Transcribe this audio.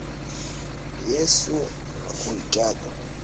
Yesu, nakuhitaji.